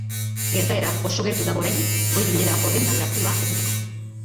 Gertaera oso gertu dago oraindik goi bilera horren balorazioa egiteko.